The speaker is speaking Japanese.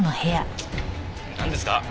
なんですか？